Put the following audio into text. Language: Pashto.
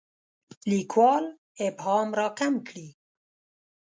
لیکوال ابهام راکم کړي.